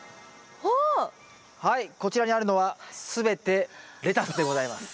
はいこちらにあるのは全てレタスでございます。